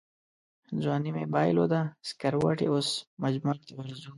ځواني مې بایلوده سکروټې اوس مجمرته ورځو